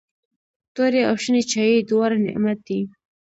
توري او شنې چايي دواړه نعمت دی.